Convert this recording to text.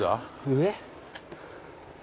上？